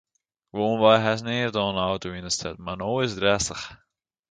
Gewoanwei hast neat oan in auto yn 'e stêd mar no is it rêstich.